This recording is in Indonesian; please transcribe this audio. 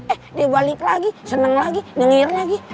eh dia balik lagi seneng lagi denger lagi